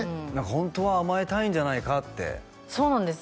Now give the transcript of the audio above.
ホントは甘えたいんじゃないかってそうなんです